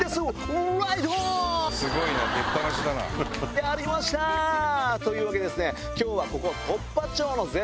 やりました！というわけで今日はここ。